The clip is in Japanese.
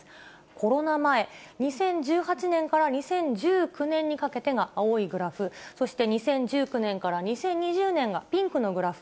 コロナ前、２０１８年から２０１９年にかけてが青いグラフ、そして２０１９年から２０２０年がピンクのグラフ。